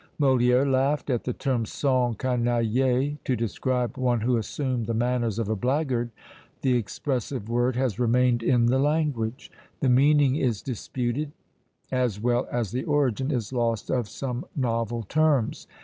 Molière laughed at the term s'encanailler, to describe one who assumed the manners of a blackguard; the expressive word has remained in the language. The meaning is disputed as well as the origin is lost of some novel terms.